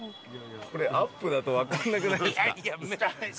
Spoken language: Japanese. これアップだとわかんなくないですか？